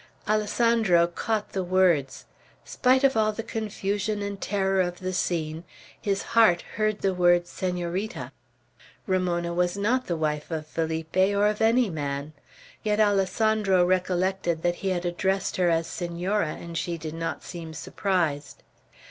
Alessandro caught the words. Spite of all the confusion and terror of the scene, his heart heard the word, "Senorita." Ramona was not the wife of Felipe, or of any man. Yet Alessandro recollected that he had addressed her as Senora, and she did not seem surprised.